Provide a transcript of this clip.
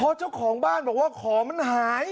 เพราะเจ้าของบ้านบอกว่าของมันหาย